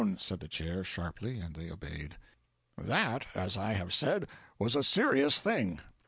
said the Chair, sharply, and they obeyed. "That, as I have said, was a serious thing.